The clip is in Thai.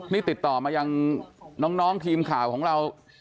นี่ติดต่อมายังน้องทีมข่าวของเรา